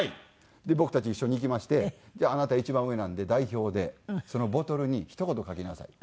で僕たち一緒に行きまして「あなた一番上なんで代表でそのボトルにひと言書きなさい」。